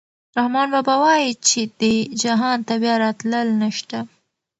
رحمان بابا وايي چې دې جهان ته بیا راتلل نشته.